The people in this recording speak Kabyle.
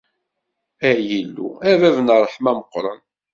Ay Illu, a bab n ṛṛeḥma meqqren!